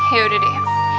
ya udah deh